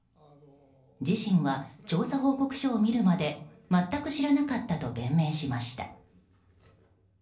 自身は調査報告書を見るまで全く知らなかったと弁明しました。